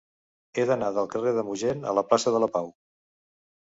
He d'anar del carrer del Mogent a la plaça de la Pau.